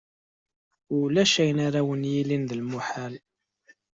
Ulac ayen ara wen-yilin d lmuḥal.